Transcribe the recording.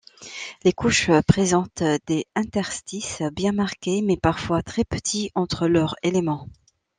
Les couches présentent des interstices bien marqués mais parfois très petits entre leurs éléments.